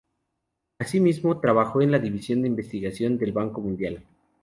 Asimismo, trabajó en la División de Investigación del Banco Mundial.